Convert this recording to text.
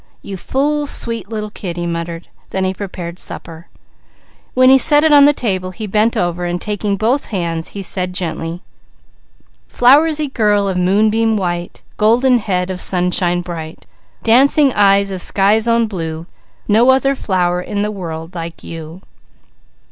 "You fool sweet little kid," he muttered. Then he prepared supper. When he set it on the table he bent over and taking both hands he said gently: "_Flowersy girl of moonbeam white, Golden head of sunshine bright, Dancing eyes of sky's own blue, No other flower in the world like you.